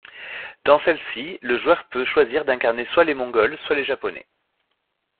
Dans celle-ci, le joueur peut choisir d'incarner soit les Mongols, soit les Japonais.